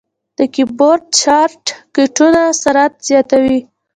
د کیبورډ شارټ کټونه سرعت زیاتوي.